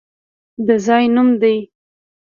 د ځای نوم دی!